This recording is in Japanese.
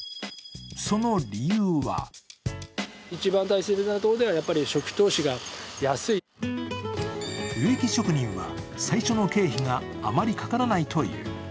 その理由は植木職人は最初の経費があまりかからないという。